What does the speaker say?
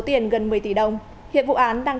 tiền gần một mươi tỷ đồng hiện vụ án đang